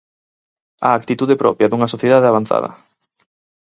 A actitude propia dunha sociedade avanzada.